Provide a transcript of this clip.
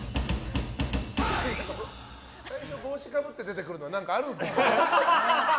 最初帽子かぶって出てくるのは何かあるんですか。